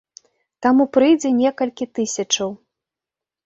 Таму прыйдзе некалькі тысячаў.